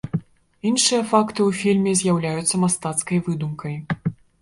Іншыя факты ў фільме з'яўляюцца мастацкай выдумкай.